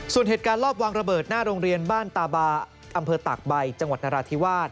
ส่วนเหตุการณ์รอบวางระเบิดหน้าโรงเรียนบ้านตาบาอำเภอตากใบจังหวัดนราธิวาส